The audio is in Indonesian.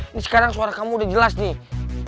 ini sekarang suara kamu udah jelas nih